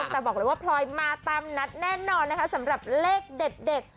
แต่บอกเลยว่าพลอยมาตามนัดแน่นอนนะคะสำหรับเลขเด็ด